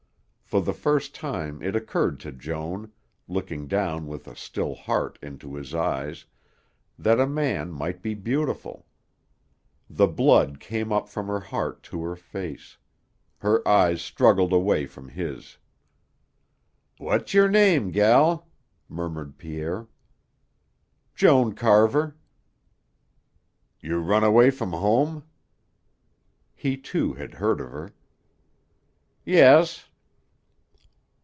For the first time it occurred to Joan, looking down with a still heart into his eyes, that a man might be beautiful. The blood came up from her heart to her face. Her eyes struggled away from his. "What's yer name, gel?" murmured Pierre. "Joan Carver." "You run away from home?" He too had heard of her. "Yes."